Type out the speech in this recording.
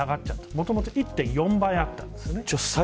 もともと１．４倍あったんです。